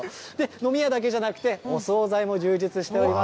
飲み屋だけじゃなくて、お総菜も充実しております。